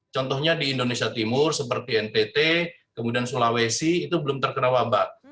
contohnya di indonesia timur seperti ntt kemudian sulawesi itu belum terkena wabah